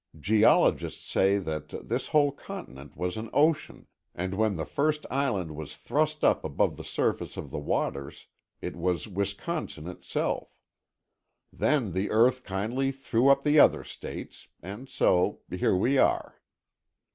Geologists say that this whole continent was an ocean, and when the first island was thrust up above the surface of the waters, it was Wisconsin itself. Then the earth kindly threw up the other states, and so, here we are."